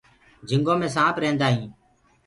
جِهنگو مي سآنپ رهيندآ هينٚ۔